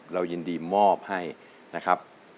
เรายินดีมอบให้นะครับ